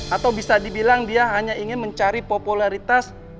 atau bisa dibilang dia hanya ingin mencari popularitas